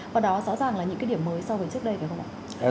và đó rõ ràng là những cái điểm mới so với trước đây phải không ạ